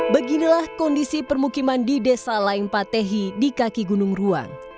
beginilah kondisi permukiman di desa lain patehi di kaki gunung ruang